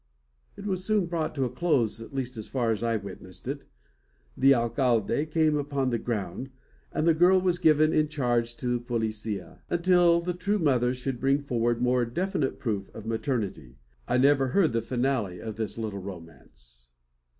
It was soon brought to a close, at least as far as I witnessed it. The alcalde came upon the ground; and the girl was given in charge to the policia, until the true mother should bring forward more definite proofs of maternity. I never heard the finale of this little romance.